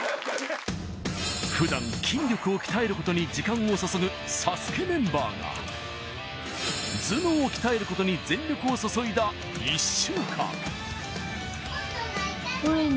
普段筋力を鍛えることに時間を注ぐＳＡＳＵＫＥメンバーが頭脳を鍛えることに全力を注いだ１週間これ「に」？